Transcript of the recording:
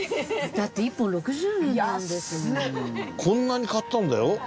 こんなに買ったんだよ？